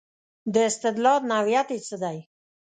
د استدلال نوعیت یې څه دی.